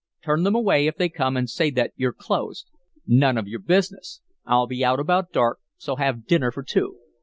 Turn them away if they come and say that you're closed. None of your business. I'll be out about dark, so have dinner for two.